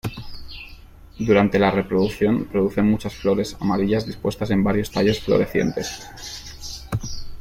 Durante la reproducción, produce muchas flores amarillas dispuestas en varios tallos florecientes.